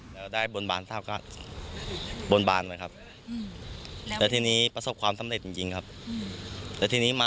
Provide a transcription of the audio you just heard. ก็ยังตกใจครับแล้วจะแก้บ้นตรงไหน